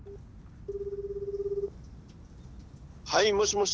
はいもしもし！